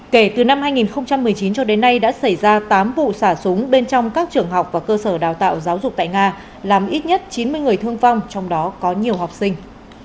kể từ năm hai nghìn một mươi chín cho đến nay đã xảy ra tám vụ xả súng bên trong các trường học và cơ sở đào tạo giáo dục tại nga làm ít nhất chín mươi người thương vong trong đó có nhiều học sinh